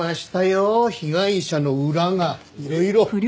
被害者の裏がいろいろ。